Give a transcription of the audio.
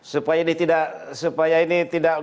supaya ini tidak